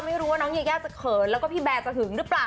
ไม่รู้ว่าน้องยายาจะเขินแล้วก็พี่แบร์จะหึงหรือเปล่า